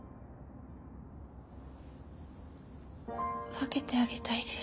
分けてあげたいです